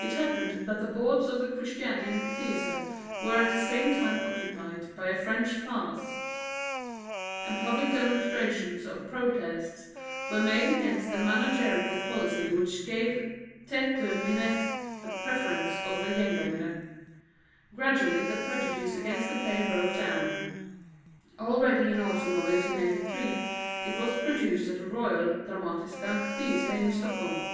It happened that the boards of the Christiania Theatre were at the same time occupied by a French farce; and public demonstrations of protest were made against the managerial policy which gave Tête de Linotte the preference over Gengangere. Gradually the prejudice against the play broke down. Already in the autumn of 1883 it was produced at the Royal (Dramatiska) Theatre in Stockholm.